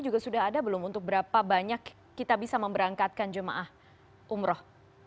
juga sudah ada belum untuk berapa banyak kita bisa memberangkatkan jemaah umroh